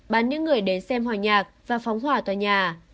bán những người đến xem hòa nhạc và phóng hỏa tòa nhà